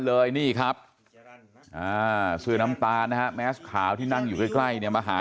เลยนี่ครับเสื้อน้ำตาลนะฮะแมสขาวที่นั่งอยู่ใกล้เนี่ยมาหา